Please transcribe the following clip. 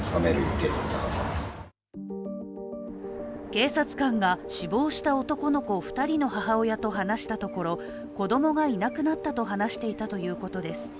警察官が死亡した男の子２人の母親と話したところ、子供がいなくなったと話していたということです。